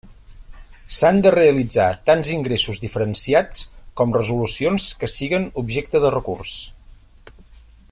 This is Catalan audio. S'han de realitzar tants ingressos diferenciats com resolucions que siguen objecte de recurs.